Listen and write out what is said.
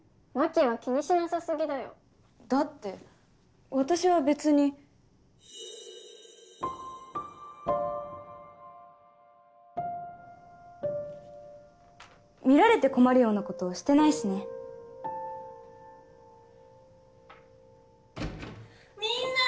眞妃は気にしなさすぎだよだって私は別に見られて困るようなことしてないしねみんな！